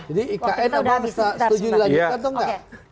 jadi ikn emang setuju dilanjutkan atau enggak